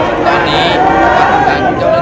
มุมการก็แจ้งแล้วเข้ากลับมานะครับ